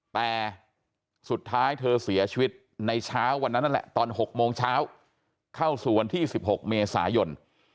แต่สุดท้ายเธอเสียชีวิตในเช้าวันนั้นนั่นแหละตอน๖โมงเช้าเข้าสู่วันที่๑๖เมษายน